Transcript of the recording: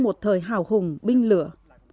một thời hào hùng binh lửa